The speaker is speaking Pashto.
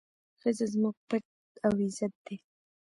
ښځه زموږ پت او عزت دی.